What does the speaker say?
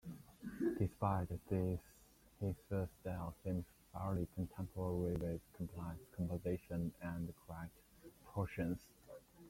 Despite this his style seems fairly contemporary with complex composition and correct proportions.